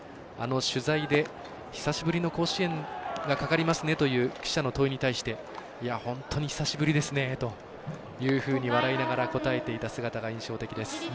取材で久しぶりの甲子園がかかりますねという記者の問いに対して本当に久しぶりですねと笑いながら答えていた姿が印象的です。